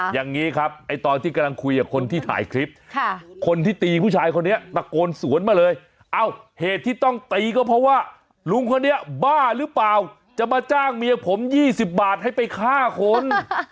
อย่างนี้ครับไอ้ตอนที่กำลังคุยกับคนที่ถ่ายคลิปคนที่ตีผู้ชายคนนี้ตะโกนสวนมาเลยเอ้าเหตุที่ต้องตีก็เพราะว่าลุงคนนี้บ้าหรือเปล่าจะมาจ้างเมียผม๒๐บาทให้ไปฆ่าคน